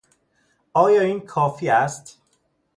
آیا این کافی است؟